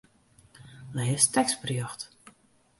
Lês tekstberjocht.